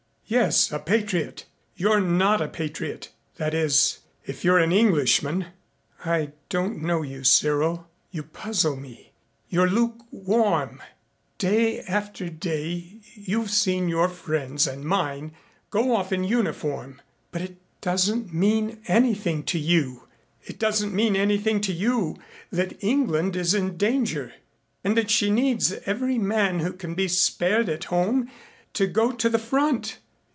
"Yes a patriot. You're not a patriot that is, if you're an Englishman. I don't know you, Cyril. You puzzle me. You're lukewarm. Day after day you've seen your friends and mine go off in uniform, but it doesn't mean anything to you. It doesn't mean anything to you that England is in danger and that she needs every man who can be spared at home to go to the front.